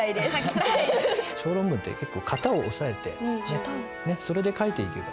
小論文って結構型を押さえてそれで書いていけば。